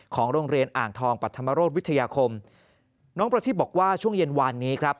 ของโรงเรียนอ่างทองปัธมโรธวิทยาคมน้องประทิพย์บอกว่าช่วงเย็นวานนี้ครับ